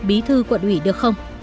bí thư quận ủy được không